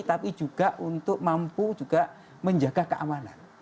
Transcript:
tapi juga untuk mampu juga menjaga keamanan